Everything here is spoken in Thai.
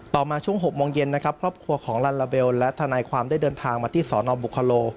มาช่วง๖โมงเย็นนะครับครอบครัวของลัลลาเบลและทนายความได้เดินทางมาที่สนบุคโล